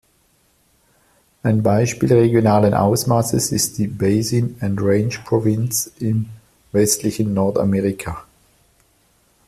Ein Beispiel regionalen Ausmaßes ist die Basin and Range Province im westlichen Nordamerika.